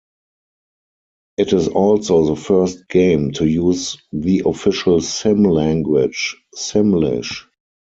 It is also the first game to use the official Sim language, Simlish.